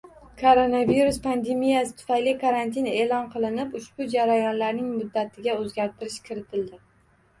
Koronavirus pandemiyasi tufayli karantin eʼlon qilinib, ushbu jarayonlarning muddatiga oʻzgartish kiritildi.